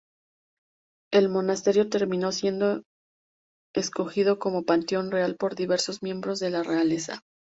El monasterio terminó siendo escogido como panteón real por diversos miembros de la realeza.